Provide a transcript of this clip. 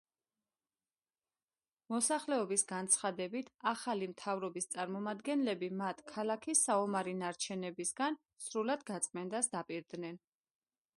მოსახლეობის განცხადებით, ახალი მთავრობის წარმომადგენლები მათ ქალაქის საომარი ნარჩენებისგან სრულად გაწმენდას დაპირდნენ.